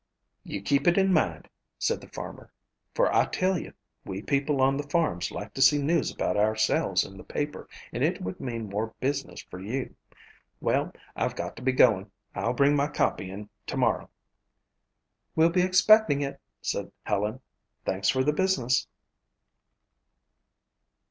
"You keep it in mind," said the farmer, "for I tell you, we people on the farms like to see news about ourselves in the paper and it would mean more business for you. Well, I've got to be going. I'll bring my copy in tomorrow." "We'll be expecting it," said Helen. "Thanks for the business."